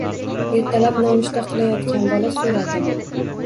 Ertalab nonushta qilayotgan bola soʻradi.